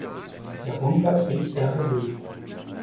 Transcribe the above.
Der Wohnplatz liegt rd.